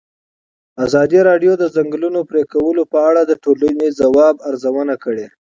ازادي راډیو د د ځنګلونو پرېکول په اړه د ټولنې د ځواب ارزونه کړې.